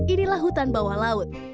inilah hutan bawah laut